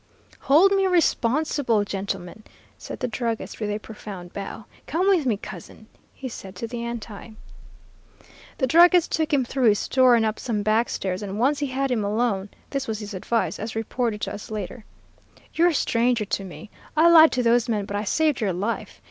"'Hold me responsible, gentlemen,' said the druggist, with a profound bow. 'Come with me, Cousin,' he said to the Anti. "The druggist took him through his store, and up some back stairs; and once he had him alone, this was his advice, as reported to us later: 'You're a stranger to me. I lied to those men, but I saved your life.